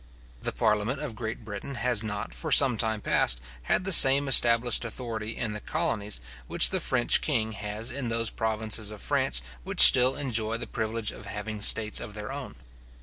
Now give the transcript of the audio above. The parliament of Great Britain has not, for some time past, had the same established authority in the colonies, which the French king has in those provinces of France which still enjoy the privilege of having states of their own.